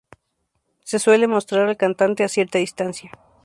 Se suele mostrar al cantante a cierta distancia.